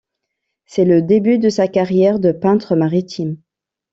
C'est le début de sa carrière de peintre maritime.